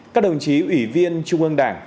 một các đồng chí ủy viên trung ương đảng